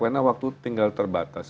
karena waktu tinggal terbatas